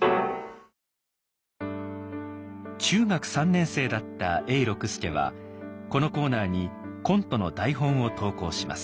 中学３年生だった永六輔はこのコーナーにコントの台本を投稿します。